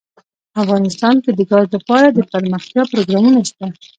افغانستان کې د ګاز لپاره دپرمختیا پروګرامونه شته.